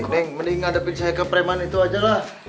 mending ngadepin saya ke preman itu aja lah